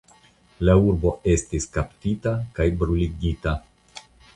La urbo estis kaptita kaj bruligita.